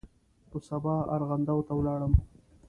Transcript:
په سبا ارغنداو ته ولاړم.